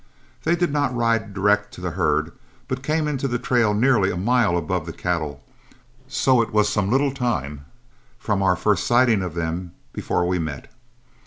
They did not ride direct to the herd, but came into the trail nearly a mile above the cattle, so it was some little time from our first sighting them before we met.